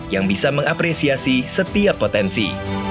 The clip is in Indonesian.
yang bisa mengapresiasi setiap potensi